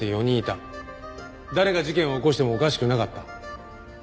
誰が事件を起こしてもおかしくなかった。